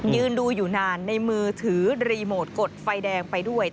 ยืนดูอยู่นานในมือถือรีโมทกดไฟแดงไปด้วย